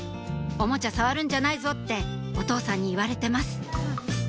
「オモチャ触るんじゃないぞ」ってお父さんに言われてます